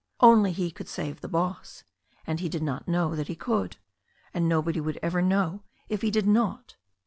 Only he could save the boss, and he did not know that he could. And nobody would ever know if he did not.